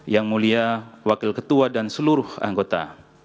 yang mulia wakil ketua dan seluruh anggota